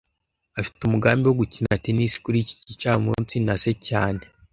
Afite umugambi wo gukina tennis kuri iki gicamunsi na se cyane